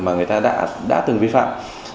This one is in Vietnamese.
mà người ta đã từng vi phạm